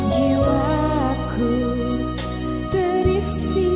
jiwaku terisi oleh cintanya